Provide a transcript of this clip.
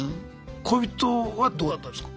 恋人はどうだったんすか？